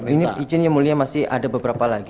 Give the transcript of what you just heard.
ini izin yang mulia masih ada beberapa lagi